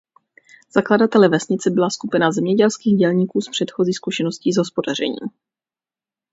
Zakladateli vesnice byla skupina zemědělských dělníků s předchozí zkušeností s hospodařením.